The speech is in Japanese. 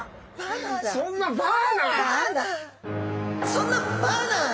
「そんなバーナー」？